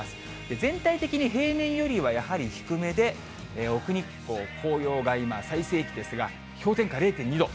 全体的に平年よりはやはり低めで、奥日光、紅葉が今、最盛期ですが、氷点下０．２度。